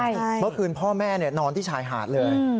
เมื่อคืนพ่อแม่นอนที่ชายหาดเลย